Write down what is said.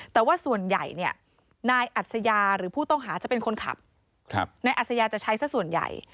แต่ว่าส่วนใหญ่เนี่ยนายอัศยาหรือผู้ต้องหาจะเป็นคนขับนายอัศยาจะใช้สักส่วนใหญ่